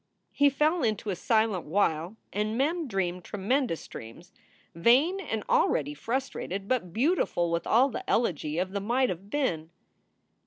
He fell into a silent while and Mem dreamed tremendous dreams, vain and already frustrated, but beautiful with all the elegy of the might have been.